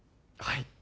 はい。